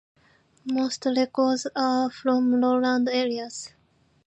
Most records are from lowland areas.